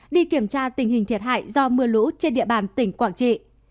đi kiểm tra tình hình thiệt hại do mưa lũ trên địa bàn tỉnh quảng trị